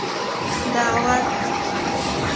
دعوت